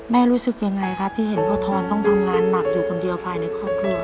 รู้สึกยังไงครับที่เห็นพ่อทอนต้องทำงานหนักอยู่คนเดียวภายในครอบครัว